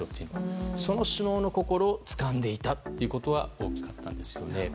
その首脳の心をつかんでいたことは大きかったんですよね。